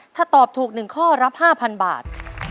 ถ้าตอบถูก๑ข้อรับ๕๐๐บาท